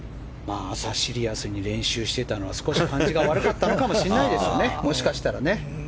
朝、シリアスに練習してたのが少し感じが悪かったのかもしれないですけどね。